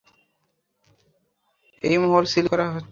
এই মহল সিল করা হচ্ছে।